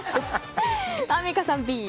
アンミカさんはＢ。